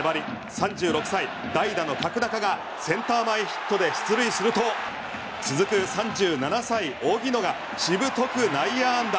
３６歳代打の角中がセンター前ヒットで出塁すると続く３７歳、荻野しぶとく内野安打。